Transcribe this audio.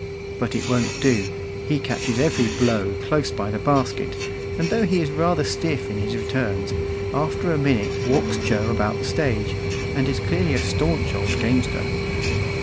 But it won't do; he catches every blow close by the basket, and though he is rather stiff in his returns, after a minute walks Joe about the stage, and is clearly a stanch old gamester.